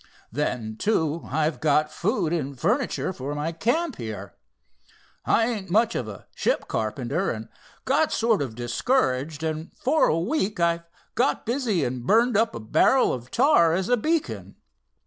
Then, too, I've got food and furniture for my camp here. I ain't much of a ship carpenter and got sort of discouraged, and for a week I've got busy and burned up a barrel of tar as a beacon."